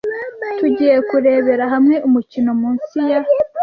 Tugiye kurebera hamwe umukino mu nsi ya.